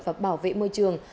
và bảo vệ môi trường